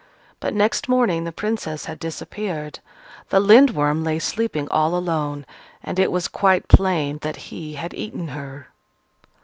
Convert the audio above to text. But next morning the Princess had disappeared. The Lindworm lay sleeping all alone: and it was quite plain that he had eaten her.